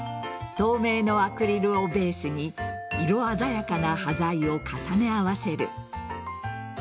透明のアクリルをベースに色鮮やかな端材を重ね合わせる。